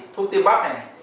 thuốc tiêm bắp này này